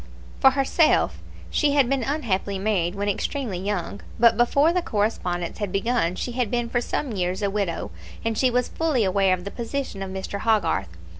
For herself, she had been unhappily married when extremely young; but before the correspondence had begun she had been for some years a widow, and she was fully aware of the position of Mr. Hogarth.